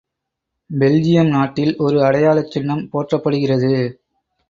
Belgium நாட்டில் ஒரு அடையாளச் சின்னம் போற்றப்படுகிறது.